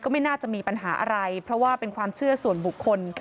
ไม่น่าจะมีปัญหาอะไรเพราะว่าเป็นความเชื่อส่วนบุคคล